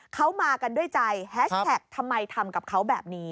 เขามากันด้วยใจแฮชแท็กทำไมทำกับเขาแบบนี้